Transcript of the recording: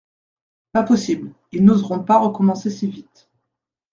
Pas possible, ils n'oseront pas recommencer si vite.